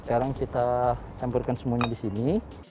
sekarang kita campurkan semuanya di sini